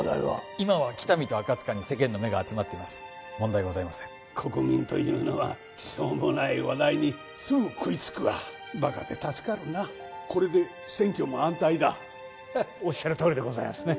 今は喜多見と赤塚に世間の目が集まっています問題ございません国民というのはしょうもない話題にすぐ食いつくわバカで助かるなこれで選挙も安泰だおっしゃるとおりでございますね